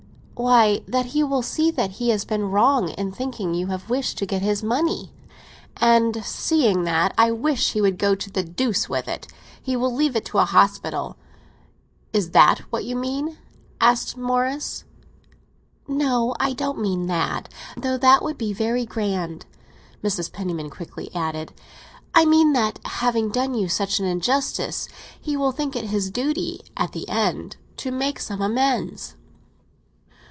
"Why, that he will see that he has been wrong in thinking that you wished to get his money." "And seeing that I wish he would go to the deuce with it, he will leave it to a hospital. Is that what you mean?" asked Morris. "No, I don't mean that; though that would be very grand!" Mrs. Penniman quickly added. "I mean that having done you such an injustice, he will think it his duty, at the end, to make some amends."